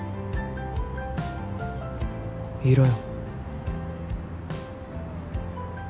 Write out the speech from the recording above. いろよ